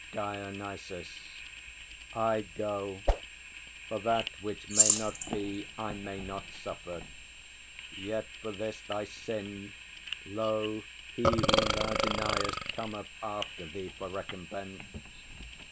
DIONYSUS. I go; for that which may not be, I may Not suffer! Yet for this thy sin, lo, He Whom thou deniest cometh after thee For recompense.